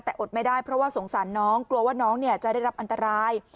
แต่อดไม่ได้เพราะว่าสงสารน้องกลัวว่าน้องจะได้รับอันตราย